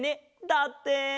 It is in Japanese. だって。